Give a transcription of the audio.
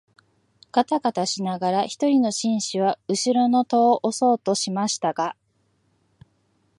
がたがたしながら一人の紳士は後ろの戸を押そうとしましたが、